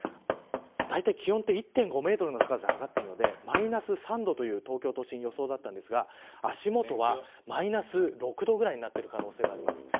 だいたい気温って１．５メートルの高さで測ってるのでマイナス３度という東京都心の予想ですか足元はマイナス６度ぐらいになっている可能性があります。